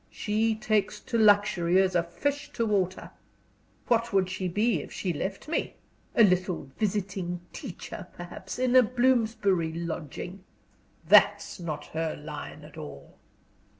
She takes to luxury as a fish to water. What would she be if she left me? A little visiting teacher, perhaps, in a Bloomsbury lodging. That's not her line at all."